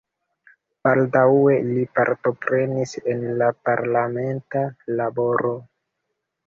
Baldaŭe li partoprenis en la parlamenta laboro.